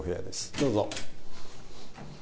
どうぞ。